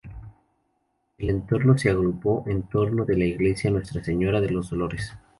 El Poblado se agrupó en torno de la Iglesia Nuestra Señora de los Dolores.